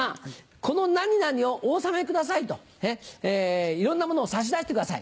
この何々をお納めください」といろんなものを差し出してください。